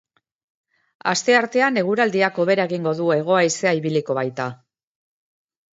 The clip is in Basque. Asteartean eguraldiak hobera egingo du, hego haizea ibiliko baita.